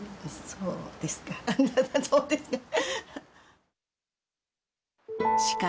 そうですか。